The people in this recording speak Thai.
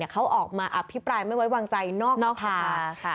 เขาออกมาอภิปรายไม่ไว้วางใจนอกสภา